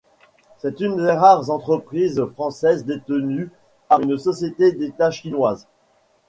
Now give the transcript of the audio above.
C'est une des rares entreprises françaises détenues par une société d'État chinoise.